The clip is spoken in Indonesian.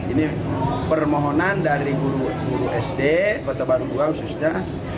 ini permohonan dari guru sd kota baru dua khususnya